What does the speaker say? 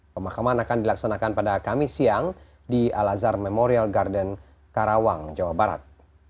pemakaman akan dilaksanakan pada kamis siang di al azhar memorial garden karawang jawa barat